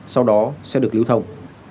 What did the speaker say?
sau đó sẽ được lưu thông